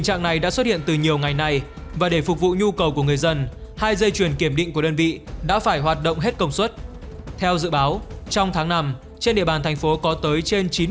hãy đăng ký kênh để ủng hộ kênh của mình nhé